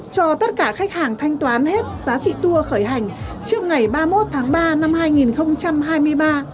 cho tất cả khách hàng thanh toán hết giá trị tour khởi hành trước ngày ba mươi một tháng ba năm hai nghìn hai mươi ba